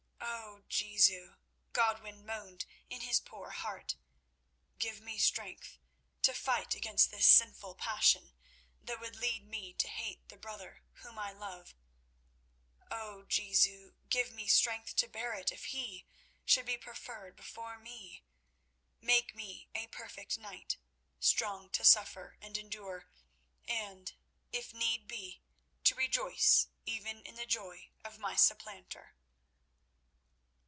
"Oh Jesu," Godwin moaned in his poor heart, "give me strength to fight against this sinful passion that would lead me to hate the brother whom I love. Oh Jesu, give me strength to bear it if he should be preferred before me. Make me a perfect knight—strong to suffer and endure, and, if need be, to rejoice even in the joy of my supplanter."